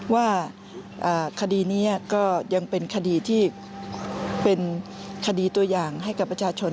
ว่าคดีนี้ก็ยังเป็นคดีที่เป็นคดีตัวอย่างให้กับประชาชน